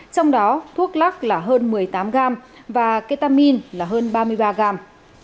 trong đó thuốc lắc là hơn một mươi tám gram và ketamin là hơn ba mươi ba gram